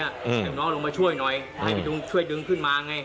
อืมน้องลงมาช่วยหน่อยช่วยดึงขึ้นมาไง